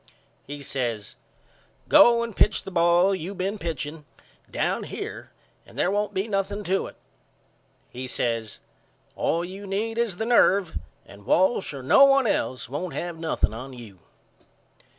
He says Go and pitch the ball you been pitching down here and there won't be nothing to it. He says All you need is the nerve and Walsh or no one else won't have nothing on you.